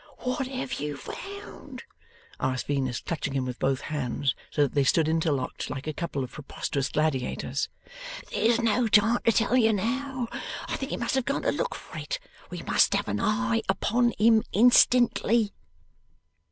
'What have you found?' asked Venus, clutching him with both hands, so that they stood interlocked like a couple of preposterous gladiators. 'There's no time to tell you now. I think he must have gone to look for it. We must have an eye upon him instantly.